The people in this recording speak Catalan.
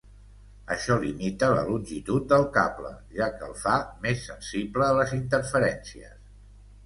Això limita la longitud del cable, ja que el fa més sensible a les interferències.